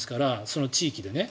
その地域でね。